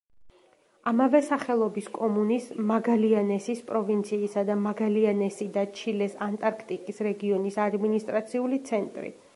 ამავე სახელობის კომუნის, მაგალიანესის პროვინციისა და მაგალიანესი და ჩილეს ანტარქტიკის რეგიონის ადმინისტრაციული ცენტრი.